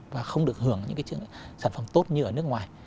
và không được hưởng những cái sản phẩm tốt như ở nước ngoài